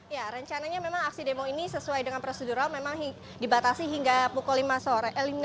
ya rencananya memang aksi demo ini sesuai dengan prosedural memang dibatasi hingga pukul lima sore